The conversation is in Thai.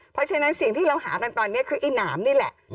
เพราะฉะนั้นสิ่งที่เราหากันตอนนี้คือไอ้หนามนี่แหละ